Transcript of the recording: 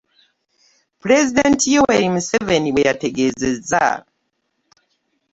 Pulezidenti Yoweri Museveni bweyategeezezza